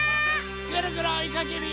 ぐるぐるおいかけるよ！